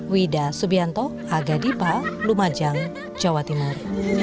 wida subianto aga dipa lumajang jawa timur